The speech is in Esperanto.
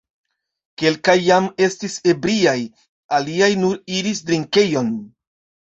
Kelkaj jam estis ebriaj, aliaj nur iris drinkejon.